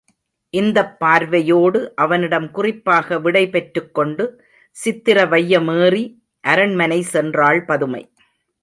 இந்தப் பார்வையோடு அவனிடம் குறிப்பாக விடை பெற்றுக்கொண்டு சித்திர வையமேறி அரண்மனை சென்றாள் பதுமை.